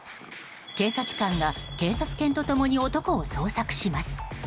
警察官が警察犬とともに男を捜索します。